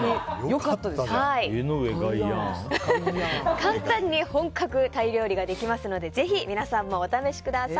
簡単に本格タイ料理ができますのでぜひ皆さんもお試しください。